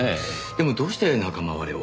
でもどうして仲間割れを？